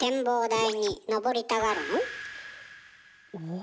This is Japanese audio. お？